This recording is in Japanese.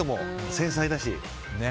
繊細だし。